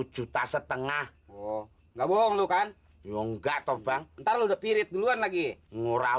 satu juta setengah tuh gak bohong lukan you enggak toh bank ntar lu udah pirit duluan lagi ngurah